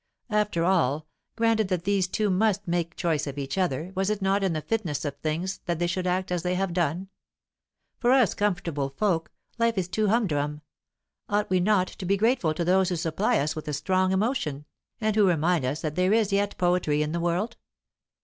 After all, granted that these two must make choice of each other, was it not in the fitness of things that they should act as they have done? For us comfortable folk, life is too humdrum; ought we not to be grateful to those who supply us with a strong emotion, and who remind us that there is yet poetry in the world?